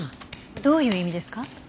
どういう意味ですか？